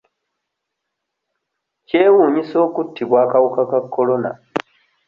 Kyewuunyisa okuttibwa akawuka ka Corona.